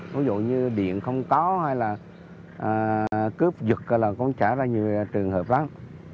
ví dụ như điện không có hay là cướp dục thì nó cũng trả ra nhiều trường hợp lắm